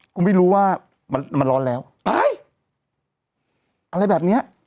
คุณไม่รู้ว่ามันมันร้อนแล้วตายอะไรแบบเนี้ย